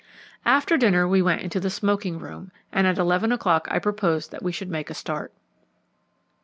After dinner we went into the smoking room, and at eleven o'clock I proposed that we should make a start.